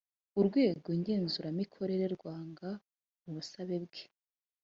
urwego ngenzuramikorere rwanga ubusabe bwe